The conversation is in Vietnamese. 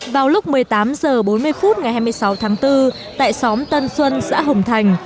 vào lúc một mươi tám h bốn mươi phút ngày hai mươi sáu tháng bốn tại xóm tân xuân xã hồng thành